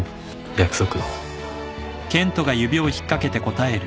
約束。